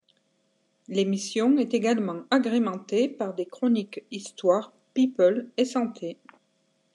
L'émission est également agrémentée par des chroniques histoires, people et santé.